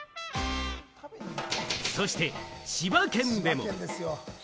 そして、千葉県でも。